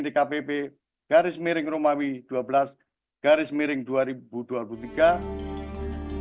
ketua kpu mengatakan ketua kpu mengatakan kursi perangkapan ini adalah hal yang harus dilakukan dengan berhubungan dengan presiden dan diadakan oleh kpu